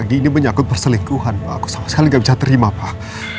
ini menyangkut perselingkuhan pak aku sama sekali nggak bisa terima pak